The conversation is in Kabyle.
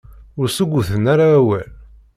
Ur ssugguten ara awal.